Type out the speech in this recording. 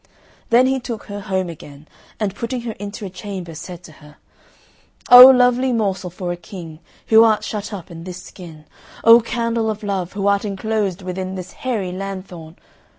Then he took her home again, and putting her into a chamber, said to her, "O lovely morsel for a King, who art shut up in this skin! O candle of love, who art enclosed within this hairy lanthorn!